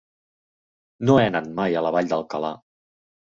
No he anat mai a la Vall d'Alcalà.